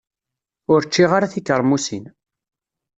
Ur ččiɣ ara tikermusin.